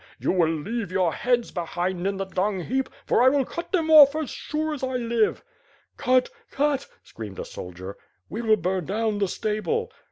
You will leave your heads behind in the dung heap, for I will cut them off, as sure as I live!" "Cut! Cut!" screamed a soldier. "We will burn down the stable."